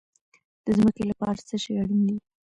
د ځمکې لپاره څه شی اړین دي؟